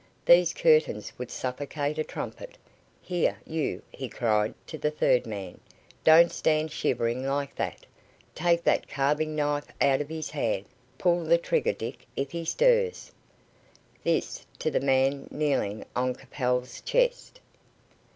These curtains would suffocate a trumpet. Here, you," he cried to the third man, "don't stand shivering like that. Take that carving knife out of his hand. Pull the trigger, Dick, if he stirs." This to the man kneeling on Capel's chest.